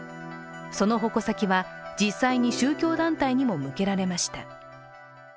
その矛先は、実際に宗教団体にも向けられました。